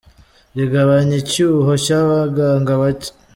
rigabanye icyuho cy’abaganga bacye.